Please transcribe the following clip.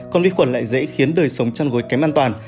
còn vi khuẩn lại dễ khiến đời sống chăn gối kém an toàn